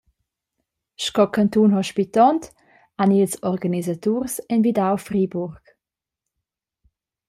Sco cantun hospitont han ils organisaturs envidau Friburg.